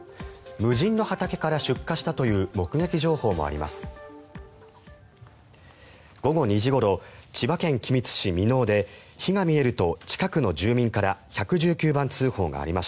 無人の畑から出火したという目撃情報もあります。